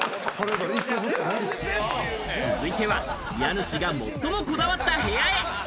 続いては家主が最もこだわった部屋へ。